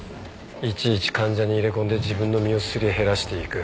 いちいち患者に入れ込んで自分の身をすり減らしていく。